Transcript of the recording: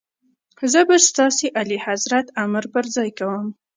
زه به ستاسي اعلیحضرت امر پر ځای کوم.